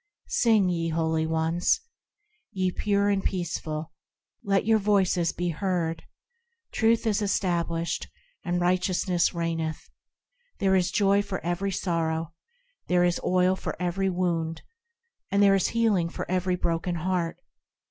Sing, ye holy ones ! Ye pure and peaceful, let your voices be heard ! Truth is established, and righteousness reigneth. There is joy for every sorrow, This is oil for every wound, And there is healing for every broken heart.